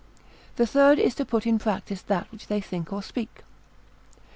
the third is to put in practice that which they think or speak.